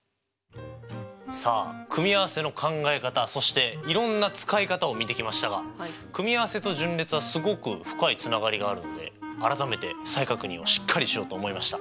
さあ組合せの考え方そしていろんな使い方を見てきましたが組合せと順列はすごく深いつながりがあるんで改めて再確認をしっかりしようと思いました。